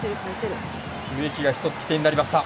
植木が一つ、起点になりました。